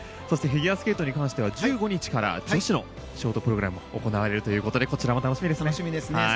そしてフィギュアスケートに関しましては女子のショートプログラムが行われるということでこちらも楽しみですね。